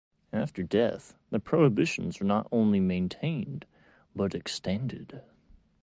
After death, the prohibitions are not only maintained but extended.